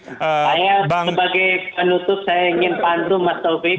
saya sebagai penutup saya ingin pandu mas taufik